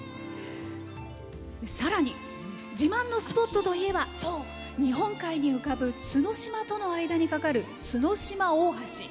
さらに、自慢のスポットといえば日本海に浮かぶ角島との間に架かる角島大橋。